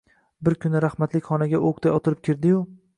Bir kuni rahmatlik xonaga o‘qday otilib kirdi-yu